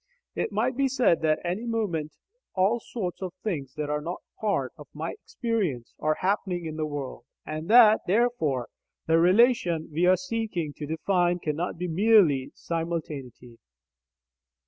It might be said that at any moment all sorts of things that are not part of my experience are happening in the world, and that therefore the relation we are seeking to define cannot be merely simultaneity.